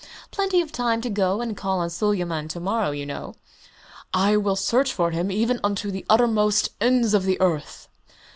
"Plenty of time to go and call on Suleyman to morrow." "I will search for him, even unto the uttermost ends of the earth!"